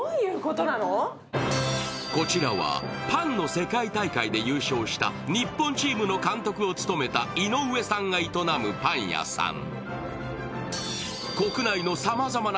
こちらはパンの世界大会で優勝した日本チームの監督を務めた井上さんが営むパン屋さん。